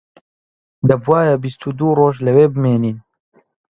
دەبوایە بیست و دوو ڕۆژ لەوێ بمێنین